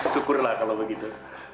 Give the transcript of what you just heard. syukurlah kalau begitu